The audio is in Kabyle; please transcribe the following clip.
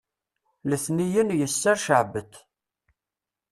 letniyen yesser ceɛbet